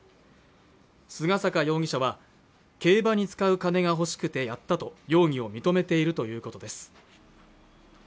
菅坂容疑者は競馬に使う金が欲しくてやったと容疑を認めているということです